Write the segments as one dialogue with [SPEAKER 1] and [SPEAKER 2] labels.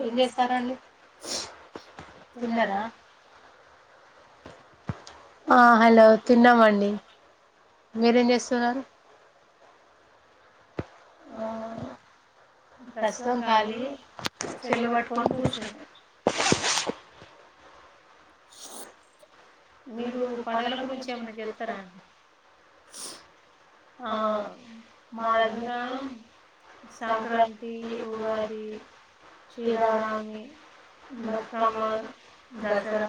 [SPEAKER 1] ఏం చేస్తారండి తిన్నరా ఆ హలో తిన్నమండి మీరేం చేస్తున్నారు
[SPEAKER 2] ఆ ప్రస్తుతం కాలి సెల్ పట్టుకొని కూర్చుంది. మీరు పండుగల గురించి ఏమన్నా చెప్తారా ఆ మా దగ్గరా సంక్రాంతి ఉగాది శ్రీరామనవమి బతుకమ్మ దసరా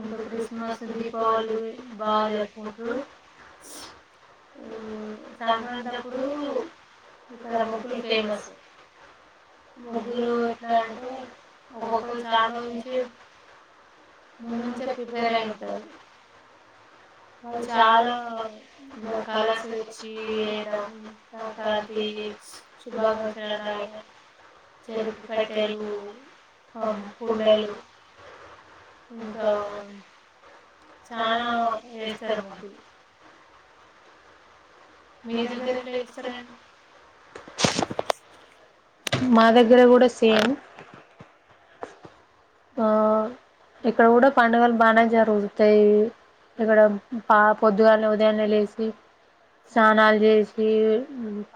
[SPEAKER 2] ఇంకా క్రిస్మస్, దీపావళి గురి బాగా జరుపుకుంటరు. ఉమ్ సంక్రాంతి అప్పుడు ఇక్కడ ముగ్గులు ఫేమస్ ముగ్గులు ఎట్లా అంటే ఒక్కొక్క చాన రోజు నుంచి ముందు నుంచే ప్రిపేర్ అయి ఉంటరు. వాళ్ళు చాలా ఇగ కలర్స్ తెచ్చి వేయడం సంక్రాంతి శుభాకాంక్షలు అని రాయడం చెరుకు కట్టెలు పం కుండలు ఇంకా చానా వేస్తరు ముగ్గులు
[SPEAKER 1] మీ దగ్గర ఎట్లా చేస్తారండి మా దగ్గర కూడా సేమ్ ఆ ఇక్కడ కూడా పండగలు బానే జరుగుతాయి ఇక్కడ పా పొద్దుగానే ఉదయాన్న లే లేస స్నానాలు చేసి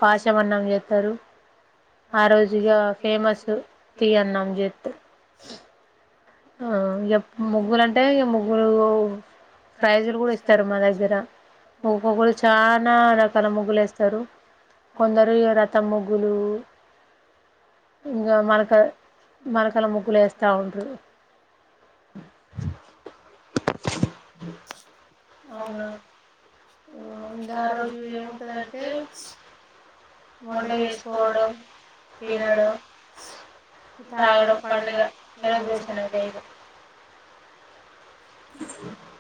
[SPEAKER 1] పాశమన్నం చేత్తరు. ఆ రోజు ఇగా ఫేమస్ తీ అన్నాం జేత్తే ఆ ఇగ ముగ్గులుంటే ఇ ముగ్గులు ప్రైజ్లు కూడా ఇస్తరు మా దగ్గర ఒక్కొక్కరు చానా రకాల ముగ్గులు వేస్తరు కొందరు ఇగ రతం ముగ్గులూ ఇంగా మరకాల్ మరకల ముగ్గులు ఏస్తావుంట
[SPEAKER 2] అవునా ఇగ ఆ రోజు ఏముంటందంటే వంట చేసుకోవడం తినడం
[SPEAKER 1] తాగడం పండగ సెలబ్రేషన్ అంతేఇగ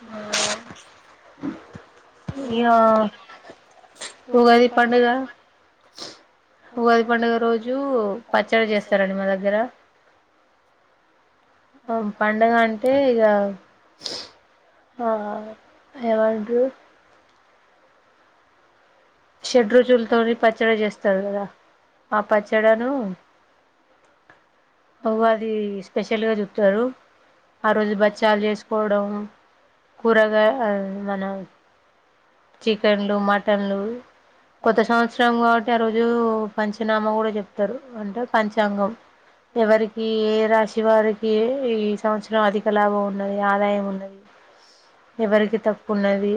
[SPEAKER 2] ఉ ఇయా
[SPEAKER 1] ఉగాది పండుగ ఉగాది పండుగ రోజు పచ్చడి చేస్తారండి మా దగ్గర పండగ అంటే ఇగా ఆ ఎవడ్రు షడ్ రుచులతోని పచ్చడి చేస్తరు కదా ఆ పచ్చడిను ఉగాది స్పెషల్ గా జెప్తారు ఆ రోజు బచ్చాలు చేసుకోవడం కూరగా ఆఇ మన చికెన్లు మటన్లు కొత్త సంవత్సరం కాబట్టి ఆ రోజు పంచనామా కూడా చెప్తరు అంటే పంచాంగం ఎవరికి ఏ రాశి వారికీ ఈ సంవత్సరం అధిక లాభం ఉన్నది ఆదాయం ఉన్నది. ఎవరికి తప్పు ఉన్నది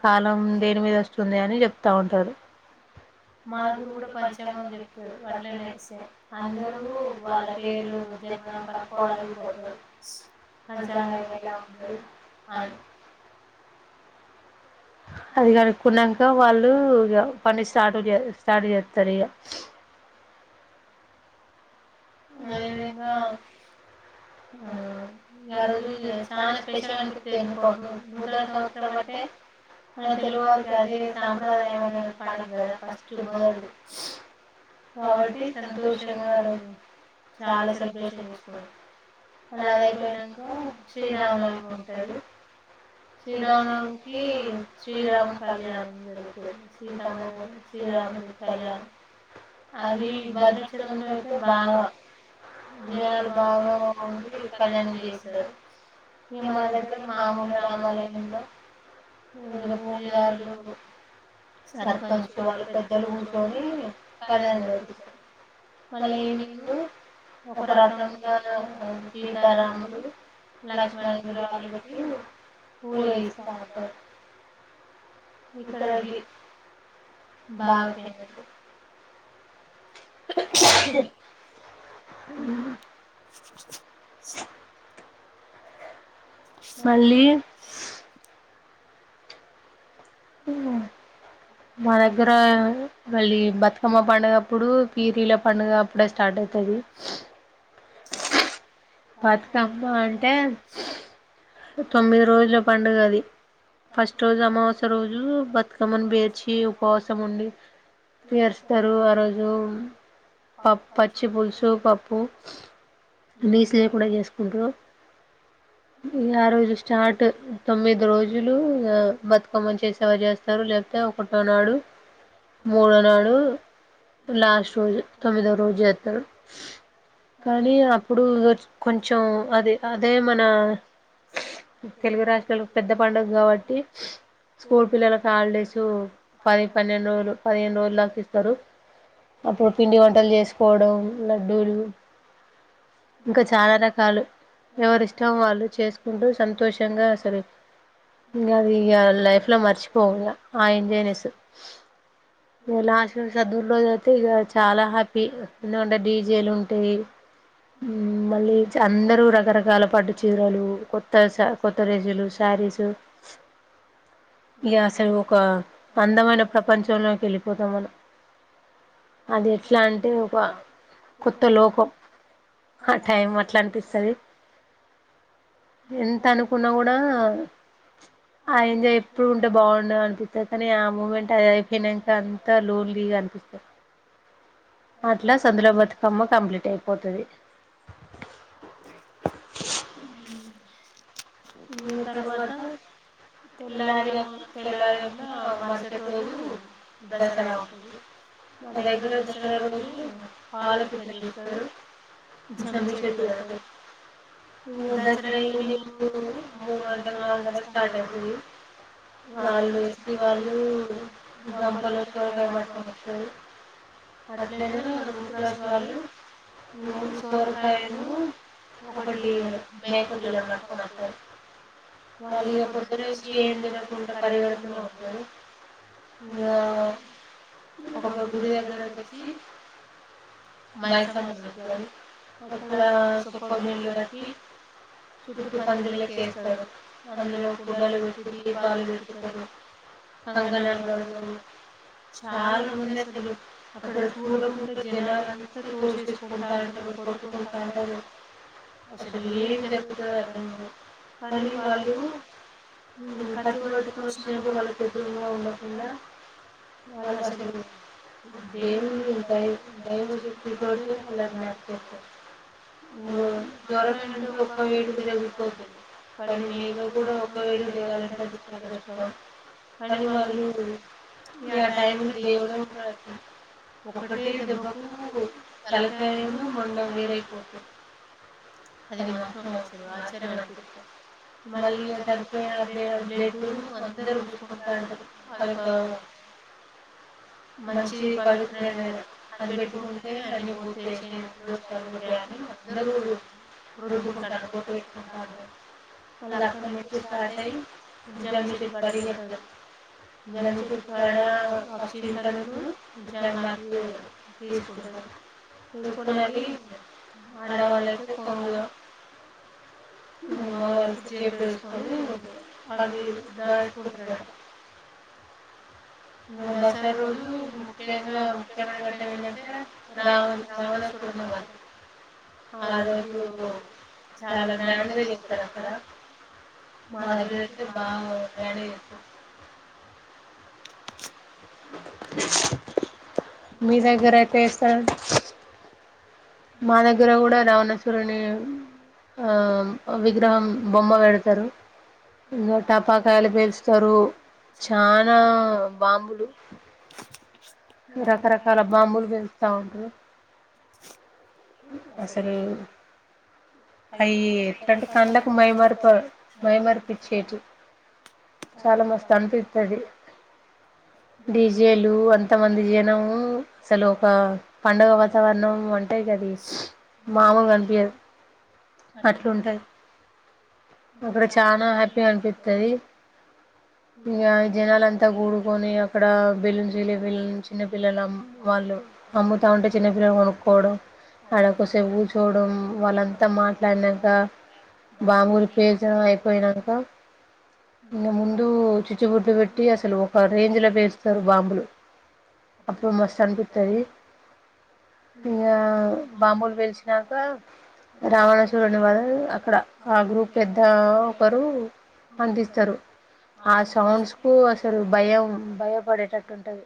[SPEAKER 1] కాలం దేని మీద వస్తుంది అని చెప్తా ఉంటారు మాక్కూడా పంచాంగం చెప్ అందరూ వాళ్ళ పేర్లు కడగిపోతారు పంచంగం ఏమైనా ఉంటడు అన్ అది కనుక్కున్నంక వాళ్ళు ఇగ పని స్టార్ట్ స్టార్ట్ చేత్తరు ఇగ అదే విదంగా
[SPEAKER 2] ఆ ఆ ఇంగ ఆరోజు ఇగ చానా స్పెషల్ అనిపిత్తుంది. ఎందుకో నూతన సంవత్సరం అంటే టే మన తెలుగు వారికి అదే సంప్రదాయమైన పండుగగదా ఫస్ట్ మొదటిది. కాబట్టి సంతోషంగా ఆ రోజు చాలా సెలబ్రేషన్ చేసుకోవాలి. అలాదయిపోయినంక శ్రీరామనవమి ఉంటది. శ్రీరామనవమికి శ్రీరాముని కళ్యాణం జరుగుతది సీతమ్మ శ్రీరాముడు కళ్యాణం అది భద్రాచలంలో అయితే బాగా జనాలు బాగా కళ్యాణం చేస్తారు.
[SPEAKER 1] ఈ మన దగ్గర మాములుగా నార్మల్ ఐతుండే ఇంగ పూజారులు సర్పంచ్ వాళ్ళు పెద్దలు కూర్చొని కళ్యాణం జెపిస్తారు
[SPEAKER 2] మళ్ళా ఈవెనింగ్ కి
[SPEAKER 1] ఒక రకంగాన సీతారాములు లక్ష్మణ విగ్రహలు బట్టి ఊరేగిస్తారు ఇంతరగి బాగు తినద్దు
[SPEAKER 2] [unintelligible]
[SPEAKER 1] హున మా దగ్గర మళ్ళీ బతుకమ్మ పండుగప్పుడు పీరీల పండుగ అప్పుడే స్టార్ట్ అయితది బతుకమ్మ అంటే తొమ్మిది రోజుల పండుగ అది ఫస్ట్ రోజు అమావాస్య రోజు బతుకమ్మని పేర్చి ఉపవాసం ఉండి చేరుస్తరు ఆ రోజు పప్ పచ్చిపులుసు పప్పు నీస్ లేకుండ జెసుకుంటరు. ఇగ ఆ రోజు స్టార్ట్ తొమ్మిది రోజులు బతుకమ్మ చేసేవా జెస్తారు. లేపోతే ఒకటో నాడు మూడో నాడు లాస్ట్ రోజు తొమ్మిదో రోజు జెతరు కానీ అప్పుడు కొంచెం అదే అదే మన తెలుగు రాస్ట్రాలు పెద్ద పండుగ కాబట్టి స్కూల్ పిల్లలకి హాలిడేస్ పది పన్నెండు రోజులు పదిహేను రోజుల దాక ఇస్తరు. అప్పుడు పిండి వంటలు చేసుకోవడం లడ్డూలు ఇంకా చాన రకాల ఎవరిష్టం వాళ్ళు చేసుకుంటూ సంతోషంగా అసలు ఇగా అది గా లైఫ్ లో మర్చిపోమ్ ఇంగ ఆ ఎంజొనెస్ ఇగ సాదులరోజు ఐతే ఇక చాలా హ్యాపీ ఎందుకంటే డీజేలు ఉంటాయి మళ్ళీ అందరు రకరకాల పట్డు చీరలు కొత్త కొత్త సా డ్రెస్లు స రీషు ఇగ అసలు ఒక అందమైన ప్రపంచంలోకి వెళ్ళిపోతాం మనం. అది ఎట్లా అంటే ఒక కొత్త లోకం ఆ టైం అట్ల అనిపిస్తది ఎంత అనుకున్నా గుడా ఆ ఎంజాయ్ ఎప్పుడు ఉంటే బాగుండు అనిపిత్తది. కానీ ఆ మూమెంట్ అది అయినాంక అంత లోన్లీగా అనిపిత్ ఇస్తే అట్లా సంధులొ బతుకమ్మ కంప్లీట్ అయి
[SPEAKER 2] ఇంగ తర్వాత తెల్లారి కాకున్ తెల్లారి కాకుండా మరుసటి రోజు దసరా ఉంటది. మా దెగ్గర దసరా రోజు పాల పిట్టన్ చూస్తారు జమ్మి చెట్
[SPEAKER 1] మ్ దసర ఊరి దగ్గర [unintelligible] మూడు గంటల్ నాలుగు గంటలక్ స్టార్ట్ అయితది వాళ్ళు వాళ్ళు గంపలో కురగైల్ మాట్లదడోచ్చారు అట్లనే ఇంట్లోకి వాళ్ళు మూడు సొరకాయల్
[SPEAKER 2] ఉ ఒకటి బేకపిల్లని పట్టుకొని వచ్చర్
[SPEAKER 1] వాళ్ళిగా పొద్దునంచి ఏం తినకుండా పరిగడుపునే ఒచ్చారు. ఇలా ఒక గుడి దగ్గరకొచ్చి మైసమ్మ [unintelligible] ఇంగా సొప్పనీళ్ళు కట్టి ఇప్పు పందిర్లోకు ఎస్ తారు అందులో కుండలు పెట్టి దీపాలు పెటుతారు. కంకణాలు గడ్తరు చాల మంది అసలు అక్కడ పూట పూటక్ జనాలంతా తీసుకుంటాంటరు కుంటాంటరు అసల్ ఏం జరుగుతదో అర్థమే కానీ వాళ్ళు ఉమ్ పట్టి వాడుకో వచ్చినంక వాళ్ళ చేతుల మీనా ఉండకుండా వాళ్ళు అసలు దేవుని దై దైవశక్తి తోటి వాళ్ళని మార్చేస్తారు జ్వరక కంటే ఒక్క వేటకి తగ్గిపోతుంది కానీ మేలో కూడా ఒక వేల చేయాలంటే అది చాలా కష్టం. పని వాళ్ళు ఇంగ ఆ టైమ్ని దేవుడే ఉనరన్ ఒకటే దెబ్బకు తలకాయమో మొండం వేరైపోత
[SPEAKER 2] అది మాత్రం అసల్ ఆచ్చర్యం అనిపిత్ మళ్ళీ ఆ చనిపోయిన బ్ల బ్లడ్ ను అందరు బుసుకుంటాంటరు అదొకా
[SPEAKER 1] మంచి పవిత్రమే అది పెట్టుకుంటే అన్ని పూర్తిగ దోషాలు పోత్తాయ అందరు
[SPEAKER 2] రొద్దుకుంటాల్ను బొట్టు పెత్తుకుంటాంటరు వాళ్ళక్కడ్నుంచి స్టార్ట్ అయ్యి జమ్మి చెట్టుకాడికి వెళ్తాడు. జమ్మి చెట్టుకాడా చింతలున్ను జమ్మాకు తీసుకుంటది. తీసుకోన్నవి ఆడవాళ్ళు అయితే కొంగులో ఉమ్ మగవాలైతే జేబులో వేసుకొని ఉంటరు అవి ఇవి దాసుకుంటరంట.
[SPEAKER 1] దసరా రోజు ముఖ్యంగా ముఖ్యమైన గట్టం ఏంటంటే రావన్ రావణ
[SPEAKER 2] నేను పోతా
[SPEAKER 1] ఆరోజు చాలా గ్రాండ్గా జెత్తరు అక్కడ మా దగ్గరైతే బాగా గ్రాండ్గా జెతర్ మీదగ్గర ఎట్లా జేస్తా మా దగ్గర గూడా రావణాసురుని ఆ విగ్రహం బొమ్మ వెడ్తరు ఇంకా టపాకాయలు పేలుస్తారు చానా బాంబులు
[SPEAKER 2] [inaudible]
[SPEAKER 1] రకరకాల బాంబులు పేలుత్తా ఉంటరు
[SPEAKER 2] ఏంటిది అసలు
[SPEAKER 1] అయి ఎట్లంటే కండ్లకు మైమరప్ మైమర్పిచ్చేటివి చాలా మస్త్ అనిపిత్తది
[SPEAKER 2] బిజీ అని వంట మన
[SPEAKER 1] ది జనము అసలు ఒక పండగ వాతావరణం అంటే గది మామ గన్పియద్
[SPEAKER 2] అట్లదే
[SPEAKER 1] అక్కడ చానా హ్యాపీ అన్పిత్తది ఇగా జనాలంతా గూడుకొని అక్కడ బెలూన్స్ ఏలేవ్ వీళ్ళని చిన్నపిల్లలమ్ వాళ్ళు అమ్ముతా ఉంటే చిన్నపిల్లలు కొనుక్కోడం ఆడకోసెప్ కూర్చోవడం వాళ్ళంతా మాట్లాన్నంకా
[SPEAKER 2] బాగుంది ఫె
[SPEAKER 1] పేల్చడం అయిపోయినంకా ఇంగ ముందు చిచ్బుబుడ్లు వెట్టి అసలు ఒకరేంజ్ లో పేరుస్తారు బాంబులు అప్పుడు మస్త్ అన్పిత్తది. ఇంగా బాంబూల్ పేల్చినాక రావణాసురుడున్ వలాల్ అక్కడ ఆ గ్రూప్ పెద్దా ఒకరు అందిస్తరు. ఆ సౌండ్స్ కు అసల్ భయం భయపడేటట్టు ఉంటది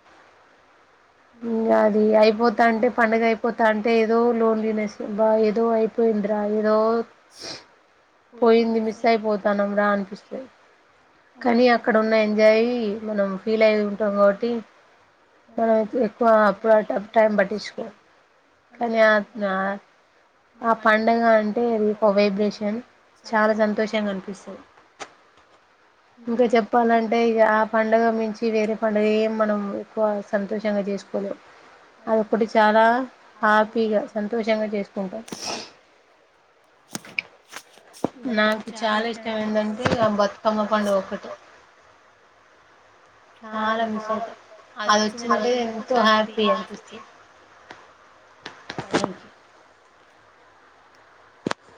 [SPEAKER 1] ఇంగ అది అయిపోతాంటే పండగ అయిపోతంటే ఏదో లోన్లీనెస్ బా ఏదో అయ్ పెయిందిరా ఎదో పోయింది మిస్ అయిపోతానామ్ రా అనిపిస్తది కాని అక్కడ ఉన్న ఎంజాయ్ మనం ఫీల్ అయుంటాం గావట్టి ఎక్కువ అప్పుడు ఆటప్ టైం బట్టించుకో కానీ ఆ ఆన్ ఆ పండగ అంటే అది ప వైబ్రేషన్ చానా సంతోషంగా అనిపిస్తది
[SPEAKER 2] [inaudible]
[SPEAKER 1] ఇంకా చెప్పాలంటే ఇగ ఆ పండుగ మించివేరె పండగ ఏం మనం కువ సంతోషంగా జేసుకోలేవ్ అదొక్కటి చాలా హ్యాపీగా సంతోషంగా జేసుకుంటం.
[SPEAKER 2] [inaudible]
[SPEAKER 1] నాకు చాలా ఇష్టం ఏందంటే బతుకమ్మ పండగ ఒక్కటే చాలా మిస్ అయితా అది వచ్చిందంటే ఎంతో హ్యాపీ అన్పిస్తది
[SPEAKER 2] థ్యాంక్ యు